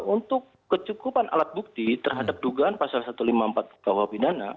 untuk kecukupan alat bukti terhadap dugaan pasal satu ratus lima puluh empat kuh binana